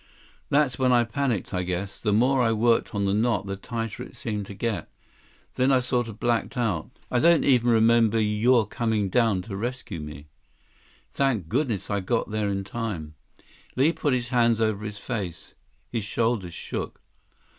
That's when I panicked, I guess. The more I worked on the knot, the tighter it seemed to get. Then I sort of blacked out. I don't even remember you're coming down to rescue me." "Thank goodness I got there in time!" Li put his hands over his face. His shoulders shook.